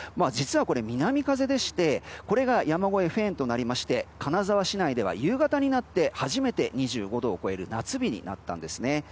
実はこれ南風でしてこれが山越えフェーンとなりまして金沢市内では夕方になって初めて２５度を超える夏日になったんですね。